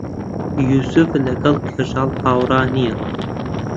یووسف لەگەڵ کەژاڵ هاوڕا نییە.